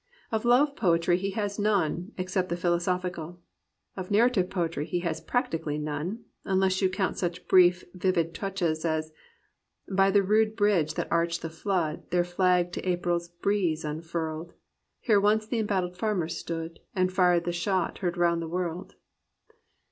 Of love poetry he has none, except the philosophical. Of narrative poetry he has practically none, unless you count such brief, vivid touches as, — "By the rude bridge that arched the flood. Their flag to April's breeze unfurled. Here once the embattled farmers stood. And fired the shot heard round the world."